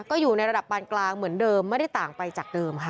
ก็อยู่ในระดับปานกลางเหมือนเดิมไม่ได้ต่างไปจากเดิมค่ะ